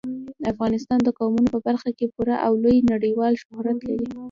افغانستان د قومونه په برخه کې پوره او لوی نړیوال شهرت لري.